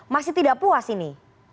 masih tidak puas ini